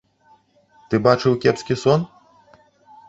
Ты бачыў кепскі сон?